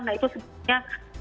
nah itu sebenarnya